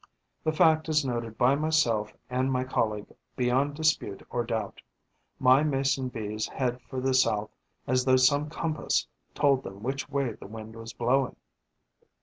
The fact is noted by myself and my colleague beyond dispute or doubt. My Mason bees head for the south as though some compass told them which way the wind was blowing.